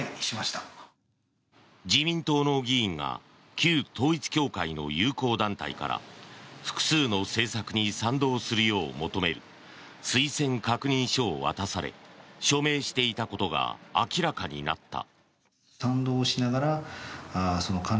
自民党の議員が旧統一教会の友好団体から複数の政策に賛同するよう求める推薦確認書を渡され署名していたことが明らかになった。